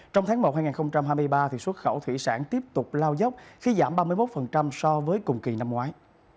trong tháng một hai nghìn hai mươi ba xuất khẩu thủy sản tiếp tục lao dốc khi giảm ba mươi một so với cùng kỳ năm ngoái